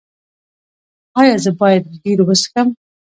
ایا زه باید بیر وڅښم؟